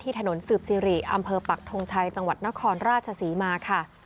ถนนสืบสิริอำเภอปักทงชัยจังหวัดนครราชศรีมาค่ะ